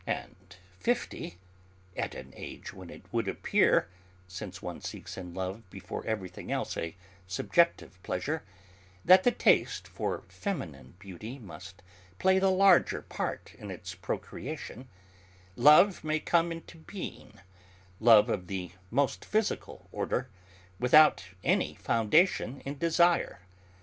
And so, at an age when it would appear since one seeks in love before everything else a subjective pleasure that the taste for feminine beauty must play the larger part in its procreation, love may come into being, love of the most physical order, without any foundation in desire.